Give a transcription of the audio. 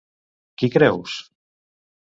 Qui creus?